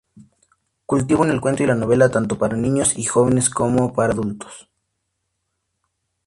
Cultivó el cuento y la novela tanto para niños y jóvenes como para adultos.